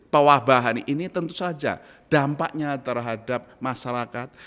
pewabahan ini tentu saja dampaknya terhadap masyarakat